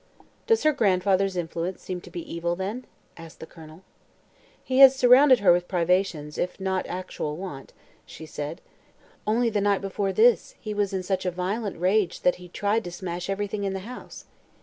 "Does her grandfather's influence seem to be evil, then?" asked the Colonel. "He has surrounded her with privations, if not with actual want," said she. "Only the night before last he was in such a violent rage that he tried to smash everything in the house.